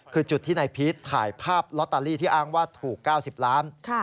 คือจุดที่นายพีชถ่ายภาพลอตเตอรี่ที่อ้างว่าถูก๙๐ล้าน